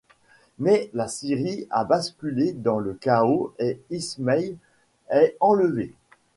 Mais la Syrie a basculé dans le chaos et Ismail est enlevé.